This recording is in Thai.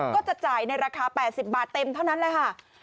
ก็จะจ่ายในราคา๘๐บาทเต็มเท่านั้นเลยค่ะ